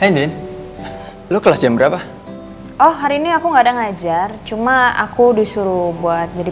hai din lu kelas jam berapa oh hari ini aku nggak ada ngajar cuma aku disuruh buat jadi